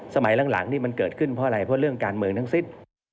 สมัยหลังนี่มันเกิดขึ้นเพราะอะไรเพราะเรื่องการเมืองทั้งสิ้น